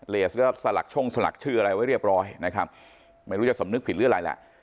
สก็สลักช่องสลักชื่ออะไรไว้เรียบร้อยนะครับไม่รู้จะสำนึกผิดหรืออะไรแหละ